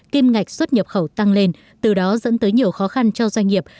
kim ngạch xuất nhập khẩu tăng lên từ đó dẫn tới nhiều khó khăn cho doanh nghiệp